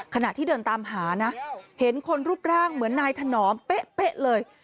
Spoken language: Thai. ขณะที่เดินตามหานะเห็นคนรูปร่างเหมือนนายถนอมเป๊ะเลย